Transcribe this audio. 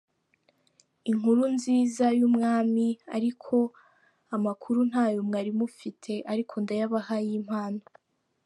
inkuru nziza y’umwami ariko amakuru ntayo mwari mufite ariko ndayabaha y’impano.